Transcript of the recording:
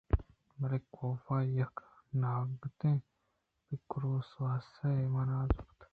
بلئے کاف ءَ یک ناگتیں پگر و سواسے ءَ مان زُرت